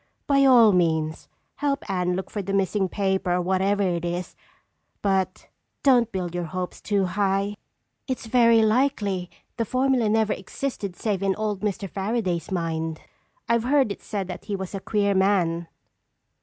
By all means help Anne look for the missing paper or whatever it is, but don't build your hopes too high. It's very likely the formula never existed save in old Mr. Fairaday's mind. I've heard it said that he was a queer man."